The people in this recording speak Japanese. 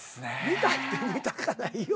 見たいって見たかないよ。